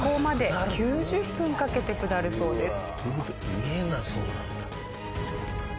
家がそうなんだ。